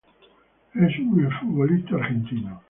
Es un ex futbolista argentino.